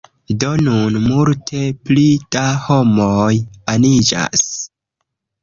Do nun multe pli da homoj aniĝas